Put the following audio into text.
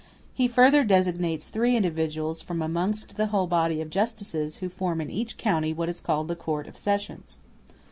*q He further designates three individuals from amongst the whole body of justices who form in each county what is called the Court of Sessions.